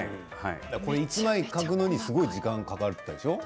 １枚描くのにすごい時間がかかったでしょう？